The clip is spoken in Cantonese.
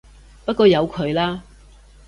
不過由佢啦